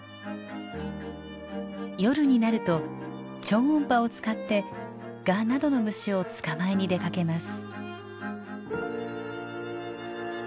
夜になると超音波を使ってガなどの虫を捕まえに出かけます。